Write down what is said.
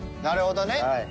なるほどね。